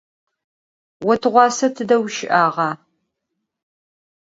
Vo tığuase tıde vuşı'ağa?